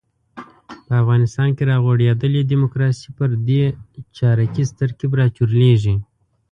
په افغانستان کې را غوړېدلې ډیموکراسي پر درې چارکیز ترکیب راچورلېږي.